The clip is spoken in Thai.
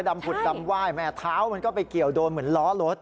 ผุดดำไหว้แม่เท้ามันก็ไปเกี่ยวโดนเหมือนล้อรถ